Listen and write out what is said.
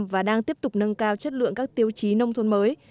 và đang tiếp tục nâng cao chất lượng các tiêu chí nông thôn mới